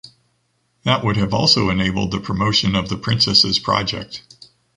That would have also enabled the promotion of the princess’s project.